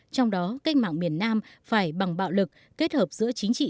trong đó cách mạng miền nam phải bằng bạo lực kết hợp giữa chính trị